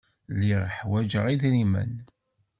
Lliɣ ḥwajeɣ idrimen.